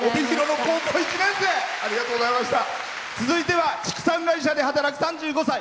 続いては畜産会社で働く３５歳。